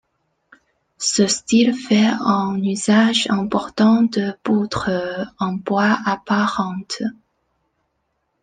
Ce style fait un usage important de poutres en bois apparentes.